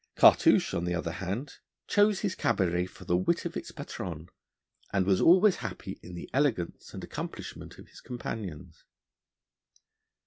Cartouche, on the other hand, chose his cabaret for the wit of its patronne, and was always happy in the elegance and accomplishment of his companions.